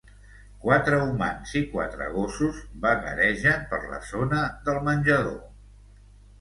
Quatre humans i quatre gossos vagaregen per la zona del menjador